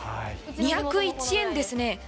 ２０１円ですね。